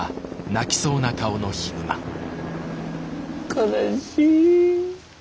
悲しい。